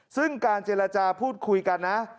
ซึ่งการเจรจาพูดคุยกันนะ